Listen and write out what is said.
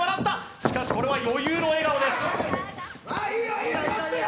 しかしこれは余裕の笑顔です。